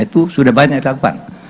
itu sudah banyak dilakukan